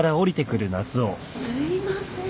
すいません。